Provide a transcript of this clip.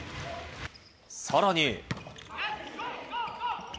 さらに。